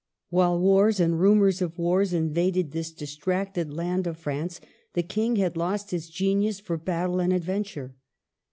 — I. While wars and rumors of wars invaded this distracted land of France, the King had lost his genius for battle and adventure.